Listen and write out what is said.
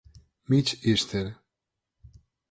Mitch Easter.